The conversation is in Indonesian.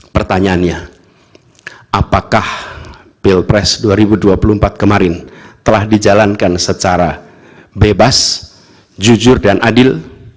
pertanyaannya apakah pilpres dua ribu dua puluh empat kemarin telah dijalankan secara bebas jujur dan adil